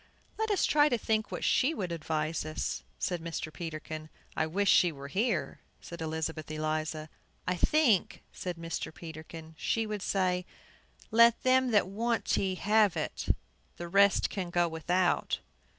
"Let us try to think what she would advise us," said Mr. Peterkin. "I wish she were here," said Elizabeth Eliza. "I think," said Mr. Peterkin, "she would say, let them that want tea have it; the rest can go without."